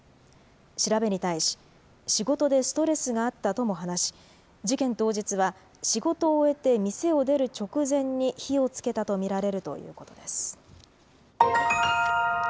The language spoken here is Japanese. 調べに対し、仕事でストレスがあったとも話し、事件当日は仕事を終えて店を出る直前に火をつけたと見られるということです。